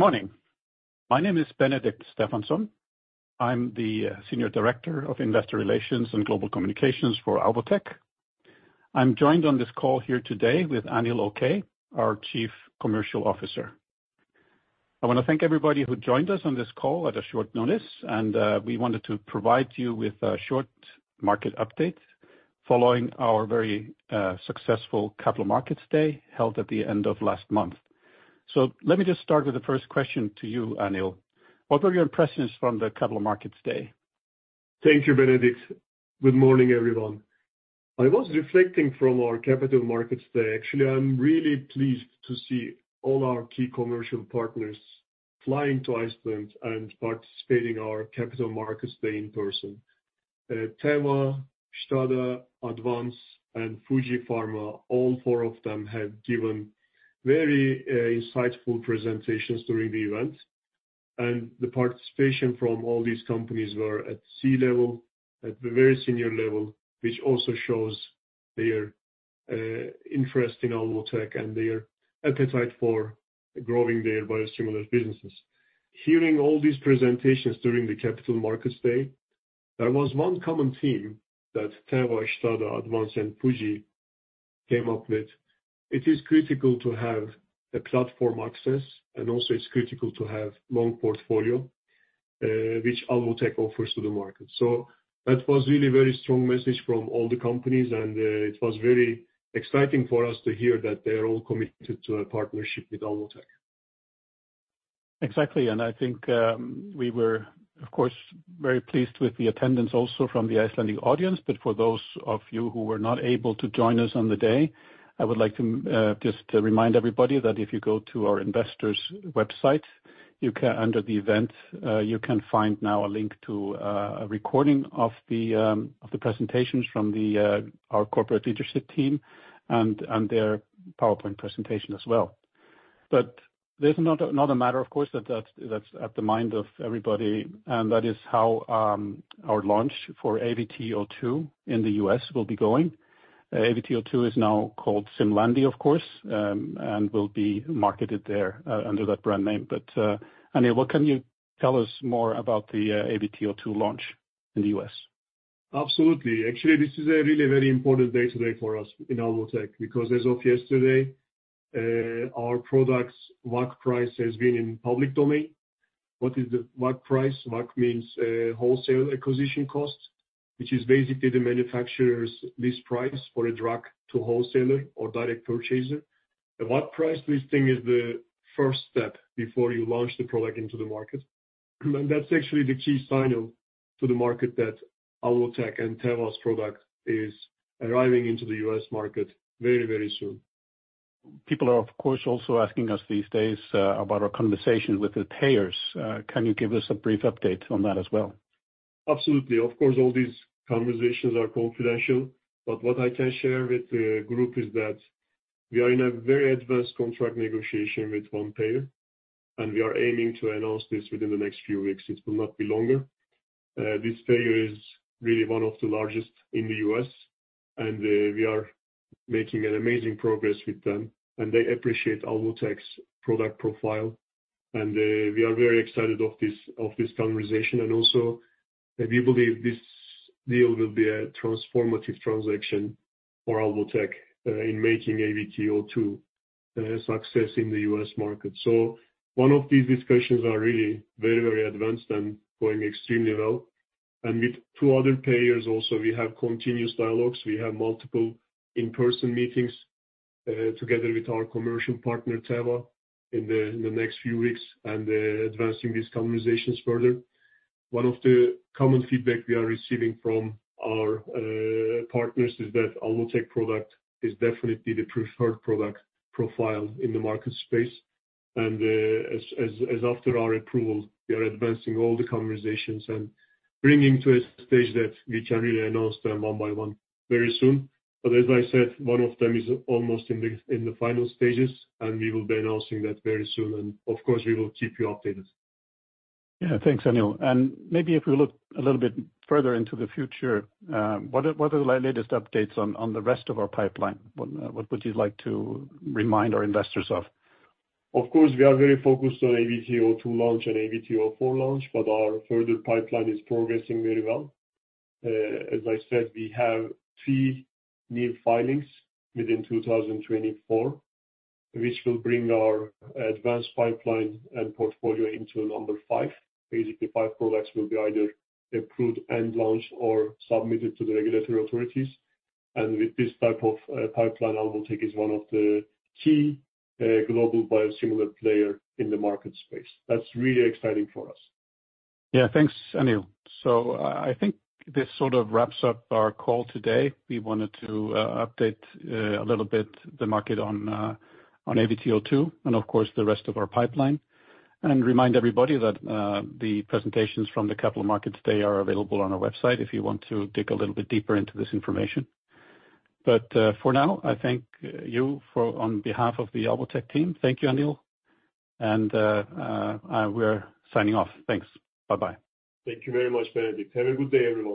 Good morning. My name is Benedikt Stefansson. I'm the Senior Director of Investor Relations and Global Communications for Alvotech. I'm joined on this call here today with Anil Okay, our Chief Commercial Officer. I want to thank everybody who joined us on this call at a short notice, and we wanted to provide you with a short market update following our very successful Capital Markets Day held at the end of last month. Let me just start with the first question to you, Anil. What were your impressions from the Capital Markets Day? Thank you, Benedikt. Good morning, everyone. I was reflecting from our Capital Markets Day. Actually, I'm really pleased to see all our key commercial partners flying to Iceland and participating in our Capital Markets Day in person. Teva, STADA, Advanz, and Fuji Pharma - all four of them - have given very insightful presentations during the event. And the participation from all these companies was at C-level, at the very senior level, which also shows their interest in Alvotech and their appetite for growing their biosimilar businesses. Hearing all these presentations during the Capital Markets Day, there was one common theme that Teva, STADA, Advanz, and Fuji came up with: it is critical to have platform access, and also it's critical to have a long portfolio, which Alvotech offers to the market. That was really a very strong message from all the companies, and it was very exciting for us to hear that they are all committed to a partnership with Alvotech. actly. And I think we were, of course, very pleased with the attendance also from the Icelandic audience. But for those of you who were not able to join us on the day, I would like to just remind everybody that if you go to our investors' website, under the event, you can find now a link to a recording of the presentations from our corporate leadership team and their PowerPoint presentation as well. But it's not a matter, of course, that that's at the mind of everybody, and that is how our launch for AVT02 in the U.S. will be going. AVT02 is now called Simlandi, of course, and will be marketed there under that brand name. But, Anil, what can you tell us more about the AVT02 launch in the U.S.? Absolutely. Actually, this is really a very important day today for us in Alvotech because, as of yesterday, our product's WAC price has been in the public domain. What is the WAC price? WAC means Wholesale Acquisition Cost, which is basically the manufacturer's list price for a drug to a wholesaler or direct purchaser. A WAC price listing is the first step before you launch the product into the market. And that's actually the key signal to the market that Alvotech and Teva's product is arriving into the U.S. market very, very soon. People are, of course, also asking us these days about our conversations with the payers. Can you give us a brief update on that as well? Absolutely. Of course, all these conversations are confidential. But what I can share with the group is that we are in a very advanced contract negotiation with one payer, and we are aiming to announce this within the next few weeks. It will not be longer. This payer is really one of the largest in the U.S., and we are making amazing progress with them. And they appreciate Alvotech's product profile, and we are very excited about this conversation. And also, we believe this deal will be a transformative transaction for Alvotech in making AVT02 a success in the U.S. market. So one of these discussions is really very, very advanced and going extremely well. And with two other payers also, we have continuous dialogues. We have multiple in-person meetings together with our commercial partner, Teva, in the next few weeks and advancing these conversations further. One of the common feedback we are receiving from our partners is that Alvotech's product is definitely the preferred product profile in the market space. And as after our approval, we are advancing all the conversations and bringing them to a stage that we can really announce them one by one very soon. But as I said, one of them is almost in the final stages, and we will be announcing that very soon. And, of course, we will keep you updated. Yeah. Thanks, Anil. Maybe if we look a little bit further into the future, what are the latest updates on the rest of our pipeline? What would you like to remind our investors of? Of course, we are very focused on AVT02 launch and AVT04 launch, but our further pipeline is progressing very well. As I said, we have three new filings within 2024, which will bring our advanced pipeline and portfolio into number five. Basically, five products will be either approved and launched or submitted to the regulatory authorities. And with this type of pipeline, Alvotech is one of the key global biosimilar players in the market space. That's really exciting for us. Yeah. Thanks, Anil. So I think this sort of wraps up our call today. We wanted to update a little bit the market on AVT02 and, of course, the rest of our pipeline and remind everybody that the presentations from the Capital Markets Day are available on our website if you want to dig a little bit deeper into this information. But for now, I thank you on behalf of the Alvotech team. Thank you, Anil. And we're signing off. Thanks. Bye-bye. Thank you very much, Benedikt. Have a good day.